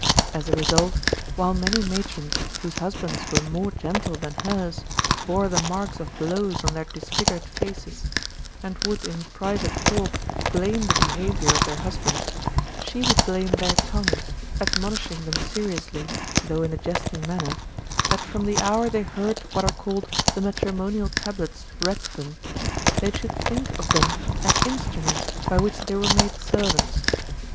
As a result, while many matrons whose husbands were more gentle than hers bore the marks of blows on their disfigured faces, and would in private talk blame the behavior of their husbands, she would blame their tongues, admonishing them seriously though in a jesting manner that from the hour they heard what are called the matrimonial tablets read to them, they should think of them as instruments by which they were made servants.